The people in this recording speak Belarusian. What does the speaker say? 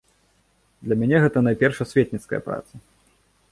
Для мяне гэта найперш асветніцкая праца.